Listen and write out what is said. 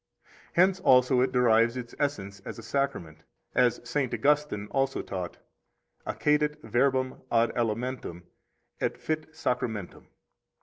18 Hence also it derives its essence as a Sacrament, as St. Augustine also taught: Accedat verbum ad elementum et fit sacramentum.